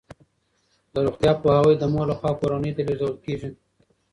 د روغتیا پوهاوی د مور لخوا کورنۍ ته لیږدول کیږي.